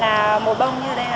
là mỗi bông như đấy